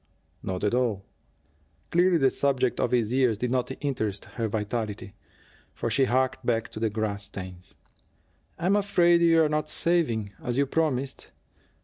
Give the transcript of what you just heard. "Not at all." Clearly the subject of his years did not interest her vitally, for she harked back to the grass stains. "I'm afraid you're not saving, as you promised.